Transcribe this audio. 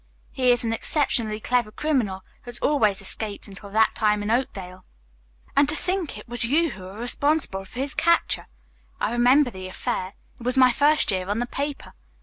He is an exceptionally clever criminal who has always escaped until that time in Oakdale. And to think it was you who were responsible for his capture! I remember the affair. It was my first year on the paper.